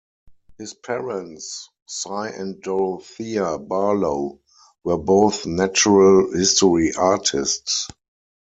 His parents, Sy and Dorothea Barlowe, were both natural history artists.